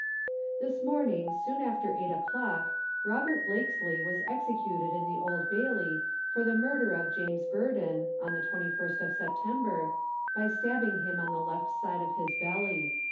This morning soon after eight o'clock, Robert Blakesley was executed in the Old Bailey for the murder of James Burdon, on the 21st of September, by stabbing him on the left side of his belly.